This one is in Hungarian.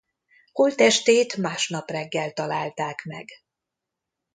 Holttestét másnap reggel találták meg.